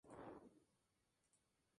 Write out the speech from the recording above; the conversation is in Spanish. Se le menciona en los cantos.